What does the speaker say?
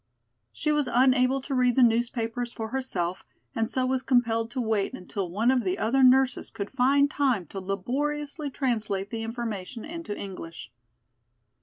She was unable to read the newspapers for herself and so was compelled to wait until one of the other nurses could find time to laboriously translate the information into English.